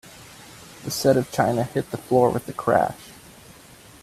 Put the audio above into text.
The set of china hit the floor with a crash.